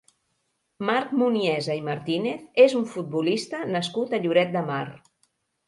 Marc Muniesa i Martínez és un futbolista nascut a Lloret de Mar.